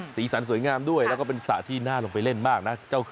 สีสันสวยงามด้วยแล้วก็เป็นสระที่น่าลงไปเล่นมากนะ